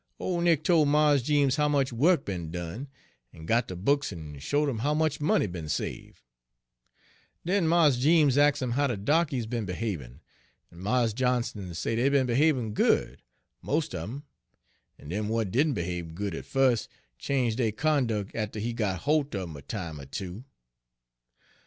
Ole Nick tol' Mars Jeems how much wuk be'n done, en got de books en showed 'im how much money be'n save'. Den Mars Jeems ax' 'im how de darkies be'n behabin', en Mars Johnson say dey be'n behabin' good, most un 'em, en dem w'at didn' behabe good at Page 94 fus' change dey conduc' atter he got holt un 'em a time er two.